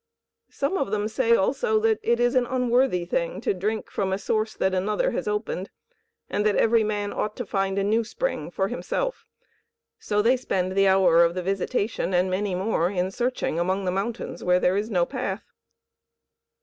Some of them say also that it is an unworthy thing to drink from a source that another has opened, and that every man ought to find a new spring for himself; so they spend the hour of the visitation, and many more, in searching among the mountains where there is no path."